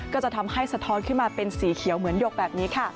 ก็จะทำให้สะท้อนขึ้นมาเป็นสีเขียวเหมือนหยกแบบนี้ค่ะ